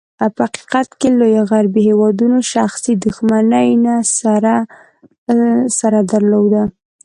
په حقیقت کې، لوېو غربي هېوادونو شخصي دښمني نه سره درلوده.